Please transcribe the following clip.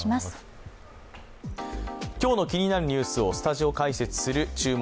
今日の気になるニュースをスタジオ解説する「注目！